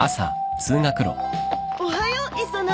おはよう磯野。